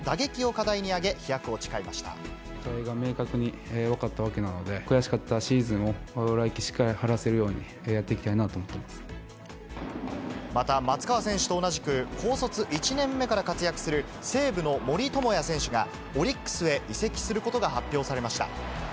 課題が明確に分かったわけなので、悔しかったシーズンを、来季、しっかり晴らせるようにやまた松川選手と同じく、高卒１年目から活躍する西武の森友哉選手が、オリックスへ移籍することが発表されました。